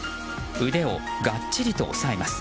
腕をがっちりと押さえます。